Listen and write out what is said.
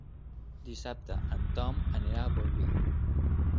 Dissabte en Tom anirà a Bolvir.